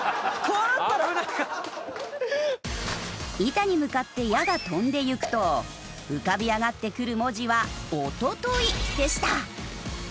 板に向かって矢が飛んでいくと浮かび上がってくる文字は「オトトイ」でした。